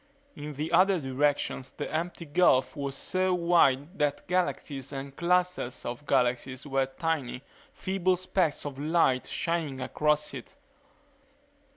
In the other directions the empty gulf was so wide that galaxies and clusters of galaxies were tiny, feeble specks of light shining across it.